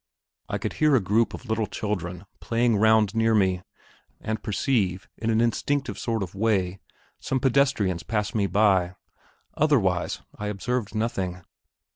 I could hear a group of little children playing around near me, and perceive, in an instinctive sort of way, some pedestrians pass me by; otherwise I observed nothing.